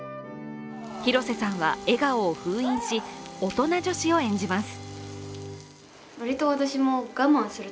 広瀬さんは笑顔を封印し、大人女子を演じます。